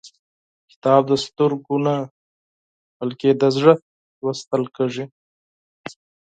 کتاب د سترګو نه، بلکې د زړه لوستل کېږي.